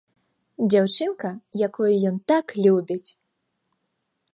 Дзяўчынка, якую ён так любіць!